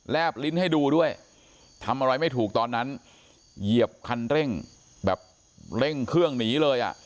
บลิ้นให้ดูด้วยทำอะไรไม่ถูกตอนนั้นเหยียบคันเร่งแบบเร่งเครื่องหนีเลยอ่ะ